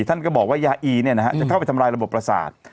ท่านก็บอกว่ายาอีจะเข้าไปทำลายระบบประสาท